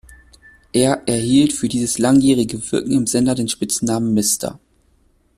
Er erhielt für dieses langjährige Wirken im Sender den Spitznamen „Mr.